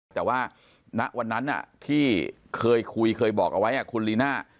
แต่ว่าวันนั้นที่เคยคุยครับเว้ยครูลีน่า